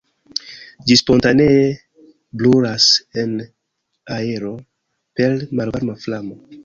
Ĝi spontanee brulas en aero per malvarma flamo.